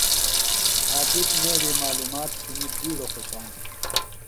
عابد نیویۡ معلومات ݜُݨی سخت خوشان بِھلوۡ۔